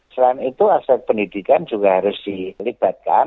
selain itu aset pendidikan juga harus dilibatkan